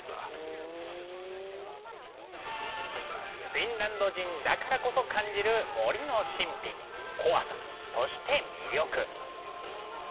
フィンランド人だからこそ感じる森の神秘怖さそして魅力。